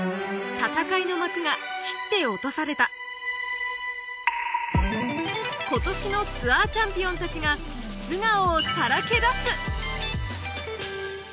戦いの幕が切って落とされた今年のツアーチャンピオンたちが素顔をさらけ出す！